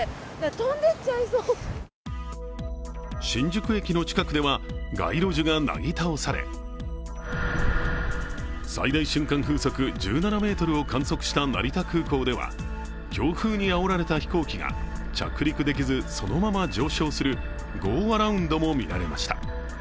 新宿駅の近くでは街路樹がなぎ倒され、最大瞬間風速１７メートルを観測した成田空港では強風にあおられた飛行機が着陸できず、そのまま上昇するゴーアラウンドも見られました。